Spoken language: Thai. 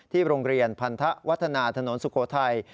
โรงเรียนพันธวัฒนาถนนสุโขทัย